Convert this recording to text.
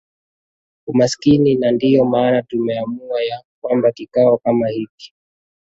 umaskini na ndiyo maana tumeamua ya kwamba kikao kama hiki